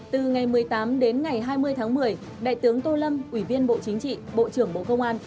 từ ngày một mươi tám đến ngày hai mươi tháng một mươi đại tướng tô lâm ủy viên bộ chính trị bộ trưởng bộ công an